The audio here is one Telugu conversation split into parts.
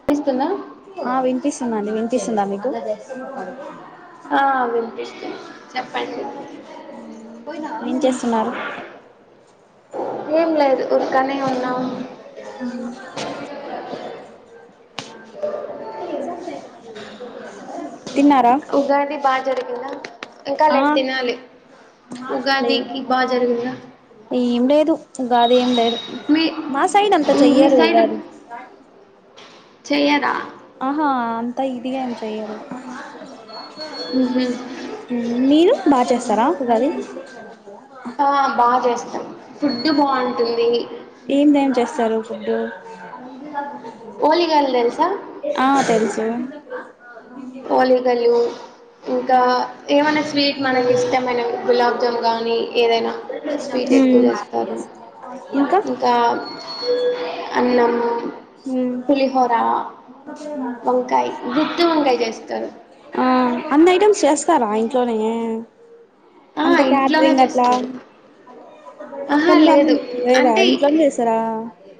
వినిపిస్తుందా ఆ వినిపిస్తుందండి తీసుంద మీకు ఆ వినిపిస్తున్ చెప్పండి ఏం చేస్తున్నారు ఏం లేదు ఒకనే ఉన్నా అ జా తిన్నారా ఉగాది బాగా జరిగిందా ఇంకా ఆ లేదు తినాలి లే ఉగాదికి బాగా జరిగిందా ఏం లేదుగాదేం లేదు మీ మా సైడ్ అంత చెయ్యరు కాదు ఉగాది అ చెయదా ఆహా అంతా ఇదిగా ఏం చెయ్యరు ఉహు మీరు బా చేస్త స్తార ఉగాది ఆ ఉంది ఏమేం చేస్తారు ఫుడు ఓలీగాల్ తెల్సా స ఒలీగలు ఇంకా ఏమనా స్వీట్ మనకి ఇష్టమైన గులాబ కొన్ కానీ ఏదైనా స్వీట్ ఎక్కువ మ్మ్ చేస్తారు ఇంకా అన్నం మ్మ్ పులిహోరా వంకాయ్ గుత్తు వంకాయ్ ఆ అన్నీ ఐటమ్స్ చెస్త స్తారా ఇంట్లోనే ఆ అంటే ఇంట్లోనే క్యాటరింగ్ అట్లా చేస్తారు ఆహా కం లేదు [unintelligible] లేదా అంటే ఇంట్లోనే చేస్తారా ఇ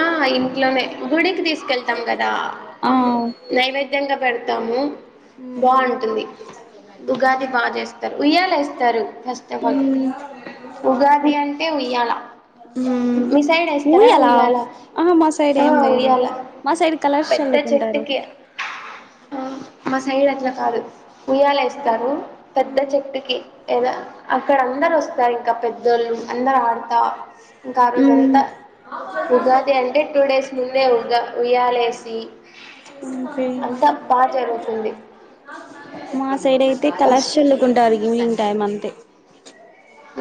ఆ ఇంట్లోనే గుడికి తీసుకెళ్తాం కదా ఆ అమ్మ నైవేద్యంగా పెడత తాము మ్మ్ బాగుంటుంది ఉగాది బా చేస్తారు ఉయ్యాలేస్తారు ఫెస్టివల్ ఉగాది అంటే ఉయ్యాల మిసైడ్ యేస్తారా ఉయ్యాల ఆ మా సైడ్ ఆ ఏం లేదు ఉయ్యాల మా సైడ్ కలర్స్ పెద్ద చల్లుకుంటారు చెట్టుకి ఎయ్ అట్ల కాదు ఉయ్యాలేస్త స్తారు పెద్ద మ్మ్ చెట్టుకీ అక్కడ అందరు వస్తారు ఇంకా పెద్దోళ్ళు అందరు ఆడు ఇంకా ఆ రోజంతా అంటే టూ డేస్ ముందే ఉగా ఉయ్యాలేసి ఇంకేంది అంతా బాగా జరుగుతుంది మా సైడ్ అయితే కలర్స్ ఫస్ట్ చల్లుకుంటారు ఈవెనింగ్ టైమ్ అంతే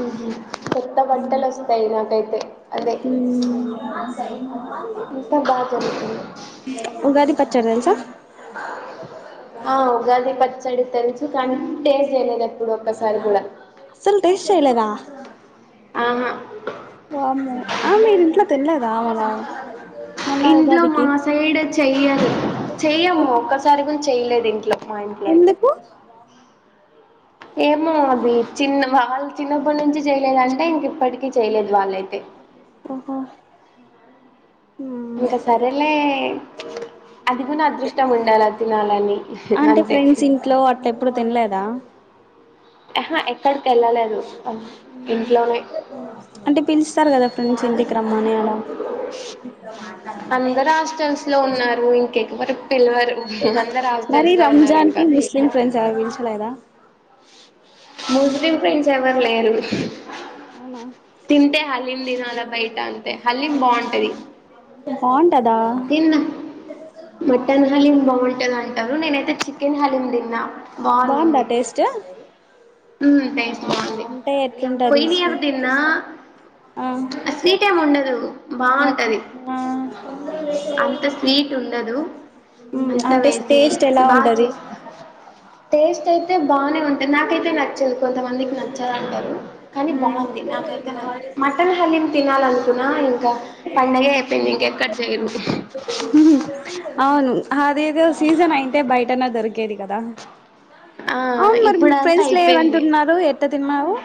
ఉ హూ కొత్త బట్టలొస్తయ్ నాకైతే అదే టైమూ ఇంకా బాగా జరుగుతుంది ఉగాది పచ్చడి తెలుసా ఆ ఉగాది పచ్చ చ్చడి తెలుసు కానీ టేస్ట్ చేయలేదు ఎప్పుడు ఒక్కసారి కూడా అసలు టేస్ట్ చేయలేదా ఆహా వామ్మో హా మీరు ఇంట్లో తినలేదా మొన్న ఇంట్లో ఉగాదికి మా సైడ్ వచ్చి చెయ్యరు చెయ్యము ఒక్కసారి కూడా చెయలేదు ఇంట్లో మా ఇంట్లో అయితే ఎందుకు ఏమో అది చిన్న వాళ్ళు చిన్నప్పటి నుంచి చేయలేదు అంటే ఇంక ఇప్పటికీ చేయలేదు వాళ్ళ ఓహో మ్మ్ ఇంకా సరేలే అది కూడా అదృష్టం ఉండాలి తినాలని అంటే అంతే ఫ్రెండ్స్ ఇంట్లో అట్లా ఎప్పుడు తినలేదా ఆహా ఏక్ ఎక్కడికి ఏళ్ళలేదు అంటే పిలుస్తారు కదా ఫ్రెండ్స్ ఎంటి క్రమానేయ అందరు హాస్టల్స్ లో ఉన్నారు ఇంకెకవరకు పిలవరు అందరు హాస్టల్స్ లో ఉన్నారు ఇంకా హలాయదా ముస్లిం ఫ్రెండ్స్ ఎవరైనా లేరు అవునా తింటే హలీం తినాలా బయట అంతే హలీం బాగుంటది బాగుంటదా తిందాం మటన్ హలీం బాగుంటది అంటారు నేనైతే చికెన్ హలీం తిన్నా బాగుందా బాగుంది టేస్ట్ ఉ టెస్ట్ అంటే ఎట్లుంటుది స్వీట్ ఆ స్వీట్ ఏమి ఉండదు బాగుంటది అంత స్వీట్ ఉండదు మ్మ్. అంత అంటే వేసి టేస్ట్ ఎలా బాగా ఉంటది చేస్తా టేస్ట్ టేస్ట్ అయితే బాగానే ఉంటాంది నాకైతే నచ్చేది కొంతమందికి నచ్చదంటారు కానీ మ్మ్. బాగుంది నాకైతన మటన్ హలీం తినాలనుకున్నా ఇంకా పండగ అయిపోయింది ఇంక ఎక్కడ చేయరు హ్మ్ అవును అదేదో సీజన్ అయింటే బయటనా దొరికేది కేది కదా ఆ అవును మరి ఇప్పుడంతా ఫ్రెండ్స్ లేరు అయిపోయింది అంటూన్నారు ఎట్ల తిన్నావు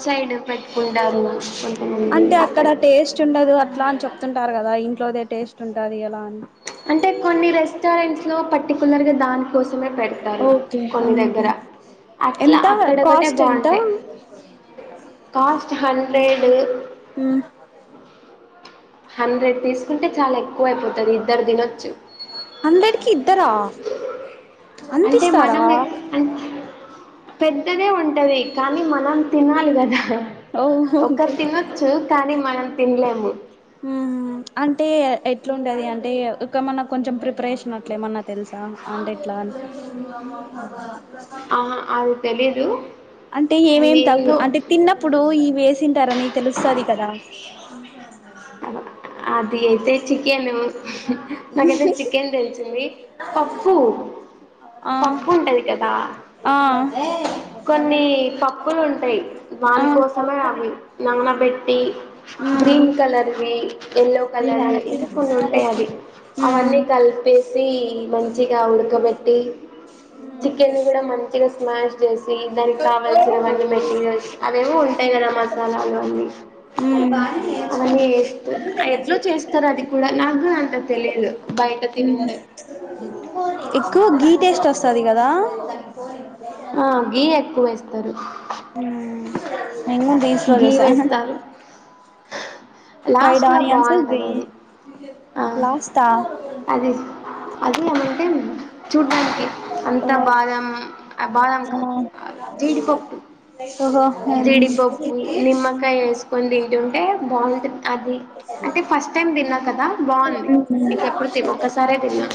డ్ సైడ్ పెట్టుకుంటారు అంటే అక్కడ టేస్ట్ ఉండదు అట్లా అని చెప్తుంటారు కదా ఇ ఇట్లోదే టేస్ట్ ఉంటది ఎలా అని అంటే కొన్ని రెస్టారెంట్స్ లో పర్టికులర్ గా దానికోసం పెడతారు ఓకే కొన్ని హ్మ్ దగ్గర అట్లా ఎంత అక్కడ ఒకటే కాస్ట్ ఎంత బాగుంటాయి కాస్ట్ హండ్రెడ్ హ్మ్ హండ్రెడ్ తీసుకుంటే చాలా ఎక్కువ అయిపోతది ఇద్దరు తినొచ్చు హండ్రెడ్ కి ఇద్దరా అంత అంటే ఇస్తారా మనం పెద్దదే ఉంటది కానీ మనం తినాలి కదా ఓహ్ ఓకే ఒకరు తినొచ్చు కానీ మనం తినలేము ఊహు అంటే ఎట్లుండేది అంటే ఇకమన్నా కొంచెం ప్రిపరేషన్ అట్లే ఏమన్నా తెలుసా అంటే ఎట్లా అ ఆ అ తెలిదు అంటే ఏమేం తగు అంటే తిన్నప్పుడు ఈ వేసింటారని తెలుస్తది కదా అది అయితే చికెన్ నాకైతే చికెన్ తెలిసింది పప్పు ఆ పప్పు ఉంటది కదా ఆ కొన్ని పప్పులు ఉంటాయి ఆ దానికోసమే అవి నానబెట్టి గ్రీన్ కలర్ ఎల్లో హ్మ్ కలర్ ఇంకా కొన్ని ఉంటాయి అవి హ్మ్ అవన్నీ కలిపేసి మంచిగా ఉడకబెట్ట చికెన్ కూడా మంచిగా స్మాష్ చేసి దానికి కావల్సినవన్నీ మెటీరియల్స్ అవేవి ఉంటా గరం మసాలాలు అన్నీ అవన్నీ ఎట్లా చేస్తారు అది కూడా నాకు అంత తెలిదు బయట తినిందే ఎక్కువ గీ టేస్ట్ వస్తాది కదా ఆ గీ ఎక్కువ వేస్త తరు న రీన్స్ట గీ చేసా వేస్తారు లాస్ట్ లో బాగుంటది గీ అది ఆ లాస్టా అది అది ఏమంటే చూడ్డానికి అంత ఓ బాదం బాదం ఆ కాదు జీడిపప్పు ఓహో జిడిపప్పు నిమ్మకాయ వేసుకొని తింటుంటే బాగుంటుది అది అంటే ఫస్ట్ టైమ్ తిన్నా కదా బాగుంది ఇంకెప్పుడు తి ఒకసారే తిన్నా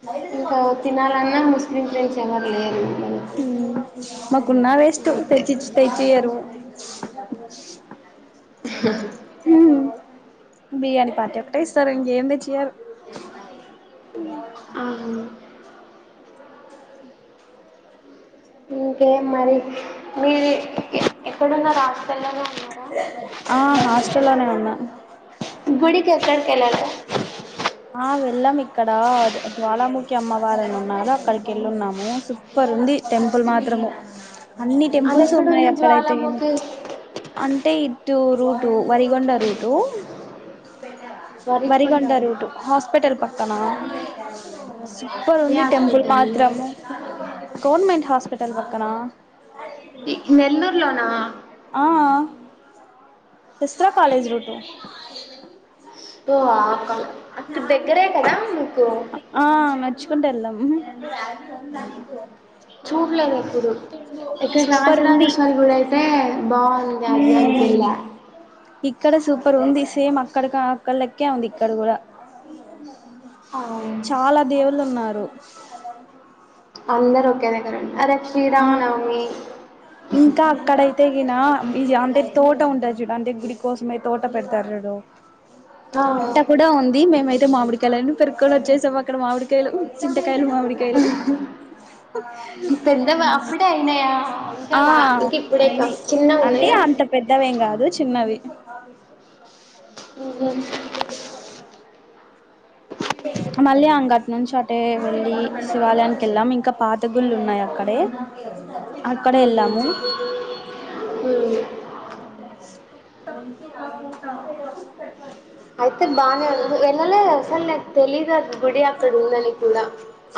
అ ఇంకా తినాలన్నా ముస్లిం ఫ్రెండ్స్ ఎవరు లేరు మనకు మాకున్నా వేస్ట్ అంతే తెచ్చి తెచ్చియ్యరు [inaudible] హహ బిర్యానీ పార్టీ ఒకటే ఇస్తారు ఇంకేంది తెచ్చేయరు ఆహ ఇంకే మరి మీరి ఆ హాస్టల్నేే ఉన్న కెల్లాల ఆ వెళ్ళాము ఇక్కడ జ్వాలాముఖి అమ్మవారని ఉన్నారు అక్కడికి వెళ్ళున్నాము సూపర్ ఉంది టెంపుల్ మాత్రము అన్ని టెంపుల్స్ ఉన్నాయి అదెక్కడుంది అప్పుడైతే జ్వాలాముఖి అంటే to route Valigonda route Varikonda వరిగండ అనుకుంటా రూటు హాస్పిటల్ పక్కన సూపర్ ఏ ఉంది టెంపుల్ హాస్పిటల్ మాత్రము గవర్నమెంట్ హాస్పిటల్ పక్కన ఈ నెల్లూర్ లోనా ఆ విస్తరా కాలేజ్ రూటు ఓ ఆ అక్కడ దగ్గరే కదా మీకు ఆ నడుచుకుంటూ వెళ్ళాం చూడలేదు ఎప్పుడు ఇక్కడ రాజరాజేశ్వరి గుడి అయితే బాగుంది అది దానికి హ్మ్ వెళ్ళా ఇక్కడ సూపర్ ఉంది సేమ్ అక్కడికాక్క లెక్కే ఉంది ఇక్కడ కూడా అవును చాలా దేవుళ్ళు ఉన్నారు ఒ అంద రొక్కేనే కదండి ఆ ఆ లక్ష్మీరామనవమి ఇంకా అక్కడైతే ఈనా ఈ అంటే తోటి మొత్తం ఉంటాది చూడు ఆంటే గుడి కోసమే తోట పెడతారు చూడు ఆ అట్టా కూడా ఉంది మేమై టే మామిడికాయలని పెరుక్కోని వచ్చేసాం అక్కడ మామిడికాయలు తింటే చాలు మామిడికాయలు పెద్దవా అప్పుడే అయినాయా ఇంకా ఆ రా ఇంక ఇప్పుడే కా అయినయి చిన్నగా అంటే ఉన్నాయా అంత పెద్దవేం కాదు చిన్నవి [inaudible] ఊహూ [inaudible] మళ్ళీ అంగటి నుంచి అటే వెళ్ళి శివాలయానికి ఎళ్ళాం ఇంకా పాత గుళ్ళు ఉన్నాయి అక్కడే అక్కడే వెళ్ళాము హ్మ్ [unintelligible] అయితే బానే ఉంది వెళ్ళలేదు అసలు నాకు తెలీదు అది గుడి అక్కడ ఉందని కూడా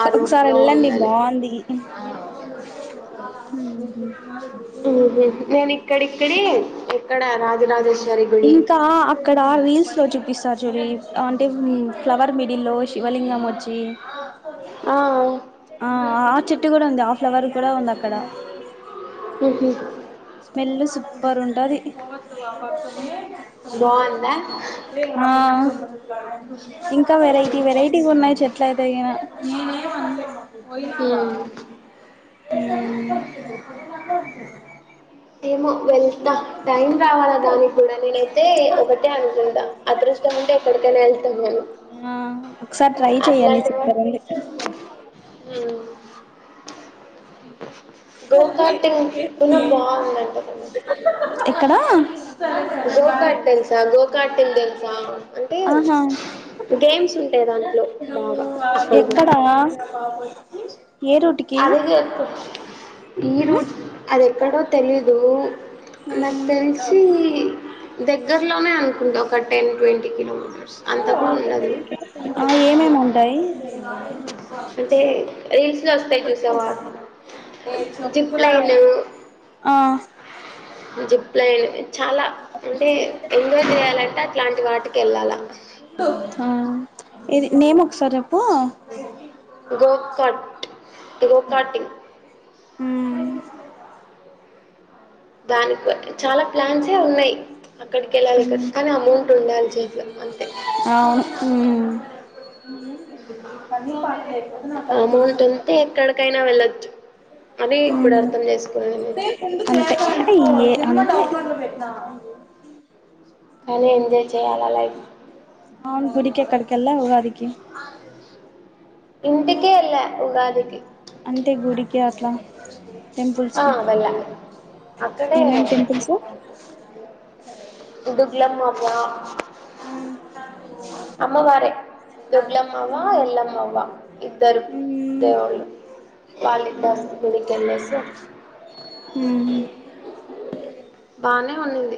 ఆ రూట్ ఒకసారి లో వెళ్ళండి ఉందని ఊహూ నేను ఇక్కడిక్కడే ఎక్కడ రాజరాజేశ్వ ఇంకా అక్కడ రీల్స్ లో చూపిస్ తచూరి అంటే ఫ్లవర్ మిడిల్లో శివలింగం వచ్చి ఆయ్ ఆ ఆ చెట్టు కూడ ఉంది ఆఫ్ ఫ్లవర్ కూడ ఉంది అక్కడ ఉహు స్మెల్ సూప్పర్ ఉండది బాగుందా మ ఇంకా వెరైటి వెరైటిగా ఉన్నాయి చెట్లయితే గిన నేనేమ్ అన్లేదు పోయినా ఉ వ ఏమో వెల్ ధా టైం రావాలా దానికి కూడా నేనైతే ఒకటే అనుకుందా అదృష్టం ఉంటే ఎప్పడికైనా వెళ్తాం మేము ఆ ఒకసారి ట్రై చెయ్యండి అట్లాంటి వా సూపర్ ఉంది ఉమ్ గోకాార్టింగ్ దిన్న బావుందంట అక్కడా గోకాట్ తెలుస గోకట్ంది వ ఆహా ఉంటాయి దాంట్లో బాగా అక్కడ ఎక్కడా అదె జెప్పు ఈ రూట్ అది ఎక్కడో తెలీదు మ్మ్ నాక్ తెల్సి దగ్గర్లోనే అనుకుంటా ఒక టెన్ ట్వంటీ కిలోమీటర్ ఆ ఏమేమి ఉంటాయి అంటే రీల్స్ లో వస్తాయి చూసావా జిప్ లైన్ ఆ జిప్ లైన్ చాలా అంటే ఎంజాయ్ చేయాలంటే అట్లాంటి వాటికి వెళ్ళాలా ఆ ఇది నేమ్ ఒకసారి చెప్పు గోకాట్ గోకాటింగ్ మ్మ్ దానికి చాలా ప్లాన్సే ఉన్నాయ్ అక్కడికి ఎల్లాలి మ్మ్ కదా కానీ అమౌంట్ ఉండాలి చేత్లో అంతే పని పాట్ లేకుండా ఆ అమౌంట్ ఉంటే ఎక్కడికైనా వెళ్ళొచ్చు అని ఇప్పుడు అవును అర్థం చేసుకున్నాను నేను అంటే ఏ లేకపోతె ఎట్లో గట్ల పెడతాము కానీ ఎంజాయ్ చేయ్యాలా లైఫ్ అవును గుడికి ఎక్కడికి వెళ్లావ్ ఉగాదికి ఇంటికే వెళ్ళా ఉగాదికి అంటే గుడికి అట్లా టెంపుల్స్ ఆ కి వెళ్లా అక్కడే ఏమేం టెంపుల్స్ ఇద్దరు పిల్లలు మాకు వా మ్మ్ అమ్మ వారే దొడ్లమ్మవా ఎల్లమ్మవా ఇద్దరు మ్మ్ దేవుళ్ళు వాళ్ళిద్దరూ గుడికెళ్లేసి హ్మ్ బానే ఉండింది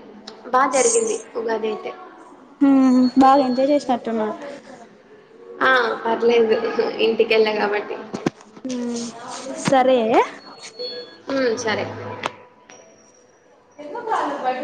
బా జరిగింది ఉగాది అయితే మ్మ్ బాగా ఎంజాయ్ చేసినట్టున్నావ్ ఆ పర్లేదు ఇంటి కెళ్లా కాబట్టి సరే హ్మ్ సరే ఎందుకు రాదు బడి